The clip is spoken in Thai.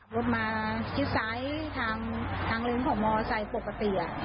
รถมาทิ้งซ้ายทางเลือดของมไซด์ปกติ